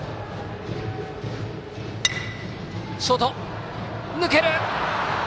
ショートの横、抜ける。